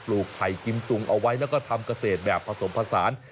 ลูกไข่กิมซุงเอาไว้แล้วก็ทำเกษตรแบบผสมผสาน